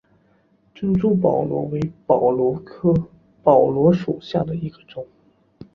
珍珠宝螺为宝螺科宝螺属下的一个种。